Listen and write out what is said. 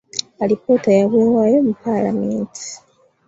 Alipoota yaweebwayo mu Paalamenti.